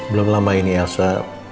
belum lama ini elsa